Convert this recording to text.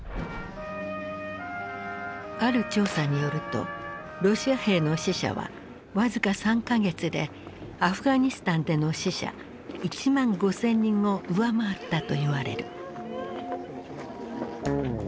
ある調査によるとロシア兵の死者は僅か３か月でアフガニスタンでの死者１万５，０００人を上回ったといわれる。